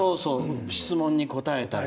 質問に答えたり。